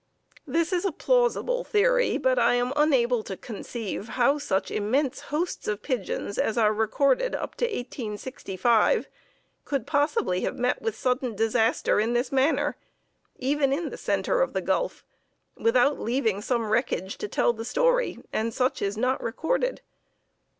This is a plausible theory, but I am unable to conceive how such immense hosts of pigeons as are recorded up to 1865 could possibly have met with sudden disaster in this manner, even in the center of the Gulf, without leaving some wreckage to tell the story, and such is not recorded.